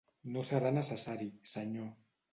No serà necessari, senyor.